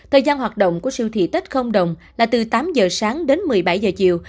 thời gian hoạt động của siêu thị tết không đồng là từ tám giờ sáng đến một mươi bảy giờ chiều